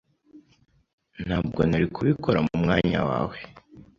Ntabwo nari kubikora mu mwanya wawe.